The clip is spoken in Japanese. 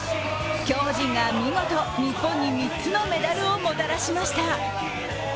競歩陣が見事、日本に３つのメダルをもたらしました。